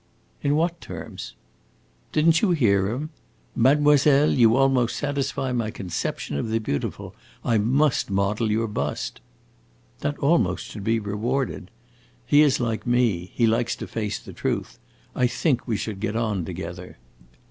"In what terms?" "Did n't you hear him? 'Mademoiselle, you almost satisfy my conception of the beautiful. I must model your bust.' That almost should be rewarded. He is like me; he likes to face the truth. I think we should get on together."